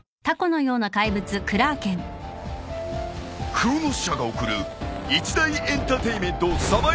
［クロノス社が送る一大エンターテインメントサバイバルゲーム］